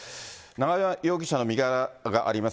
永山容疑者の身柄があります